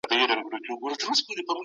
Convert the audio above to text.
اخلاقي ارزښتونه بايد ژوندي وي.